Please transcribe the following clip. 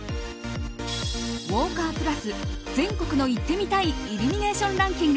ウォーカープラス全国の行ってみたいイルミネーションランキング